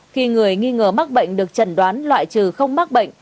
khi người nghi ngờ mắc bệnh được trần đoán loại trừ không mắc bệnh